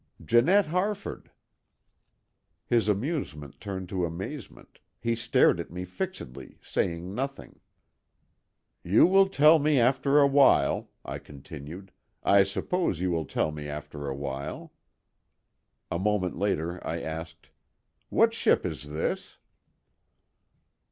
"Janette Harford." His amusement turned to amazement; he stared at me fixedly, saying nothing. "You will tell me after a while," I continued; "I suppose you will tell me after a while." A moment later I asked: "What ship is this?"